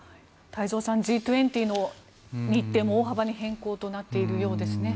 太蔵さん、Ｇ２０の日程も大幅に変更となっているようですね。